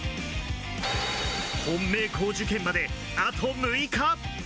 本命校受験まであと６日。